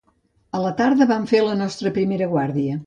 A la tarda vam fer la nostra primera guàrdia